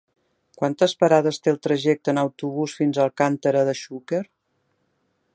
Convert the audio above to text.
Quantes parades té el trajecte en autobús fins a Alcàntera de Xúquer?